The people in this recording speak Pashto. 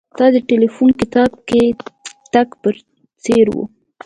دا د ټیلیفون کتاب کې د تګ په څیر و